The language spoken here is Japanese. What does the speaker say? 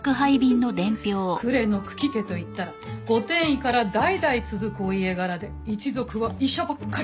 呉の九鬼家といったら御殿医から代々続くお家柄で一族は医者ばっかり。